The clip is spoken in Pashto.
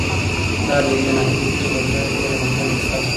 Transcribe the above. دا د یوې ناهیلې پېغلې د زړه ډېره غمجنه کیسه وه.